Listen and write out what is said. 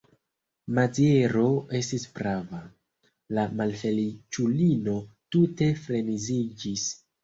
Maziero estis prava: la malfeliĉulino tute freneziĝis.